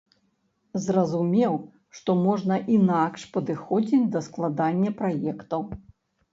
Зразумеў, што можна інакш падыходзіць да складання праектаў.